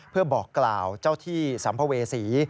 เพื่อบอกกล่าวเจ้าที่สัมภเวษี